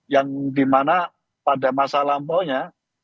yang di mana pada masa lampau nya